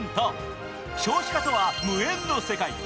少子化とは無縁の世界。